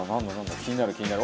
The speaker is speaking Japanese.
気になる気になる」